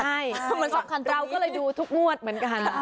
ใช่เราก็เลยดูทุกงวดเหมือนกัน